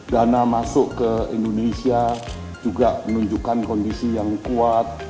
dana masuk ke indonesia juga menunjukkan kondisi yang kuat